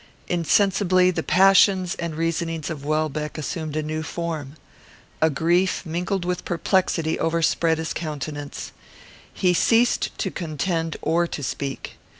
Insensibly the passions and reasonings of Welbeck assumed a new form. A grief, mingled with perplexity, overspread his countenance. He ceased to contend or to speak.